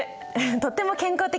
とっても健康的。